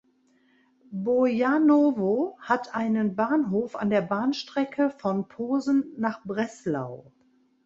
Bojanowo hat einen Bahnhof an der Bahnstrecke von Posen nach Breslau.